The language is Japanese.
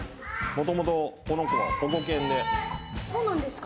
元々この子は保護犬であっそうなんですか